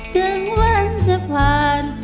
ถึงวันจะผ่าน